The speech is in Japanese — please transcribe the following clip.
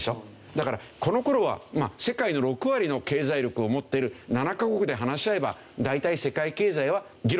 だからこの頃は世界の６割の経済力を持ってる７カ国で話し合えば大体世界経済は議論ができた。